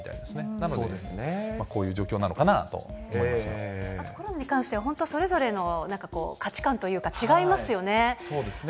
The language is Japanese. なのでこういう状況なのかなあと、コロナに関してはそれぞれの価値観というか、違いますよね。